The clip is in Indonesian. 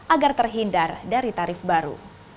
agar terhindar dari tarif baru